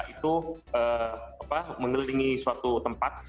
itu mengelilingi suatu tempat